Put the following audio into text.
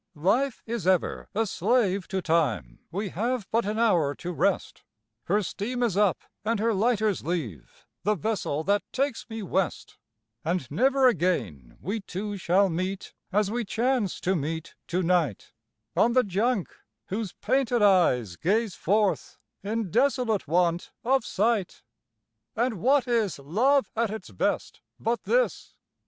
Life is ever a slave to Time; we have but an hour to rest, Her steam is up and her lighters leave, the vessel that takes me west; And never again we two shall meet, as we chance to meet to night, On the Junk, whose painted eyes gaze forth, in desolate want of sight. And what is love at its best, but this?